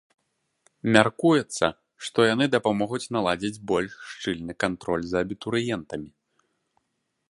Мяркуецца, што яны дапамогуць наладзіць больш шчыльны кантроль за абітурыентамі.